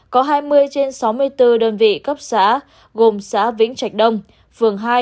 có hai mươi trên sáu mươi bốn đơn vị cấp xá gồm xá vĩnh trạch đông phường hai